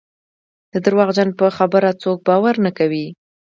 د درواغجن په خبره څوک باور نه کوي.